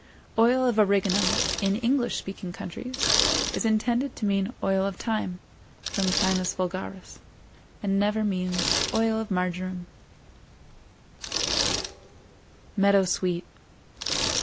"Oil of Origanum" in English speaking countries is intended to mean Oil of Thyme (from Thymus vulgaris), and never means Oil of Marjoram. MEADOW SWEET.